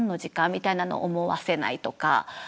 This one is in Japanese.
みたいなのを思わせないとか。